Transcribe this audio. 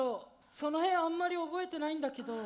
その辺あんまり覚えてないんだけど。